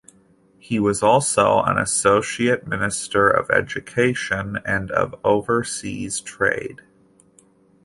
He was also an Associate Minister of Education and of Overseas Trade.